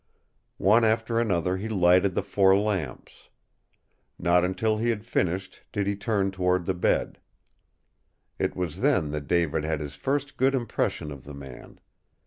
One after another he lighted the four lamps. Not until he had finished did he turn toward the bed. It was then that David had his first good impression of the man.